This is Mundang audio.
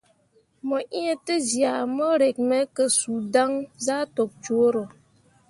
Mo ĩĩ tezyah mo rǝk me ke suu dan zah tok cuuro.